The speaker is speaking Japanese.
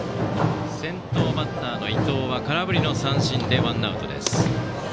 先頭バッターの伊藤は空振りの三振でワンアウト。